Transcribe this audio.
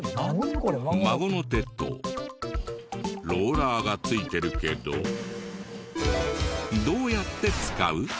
孫の手とローラーが付いてるけどどうやって使う？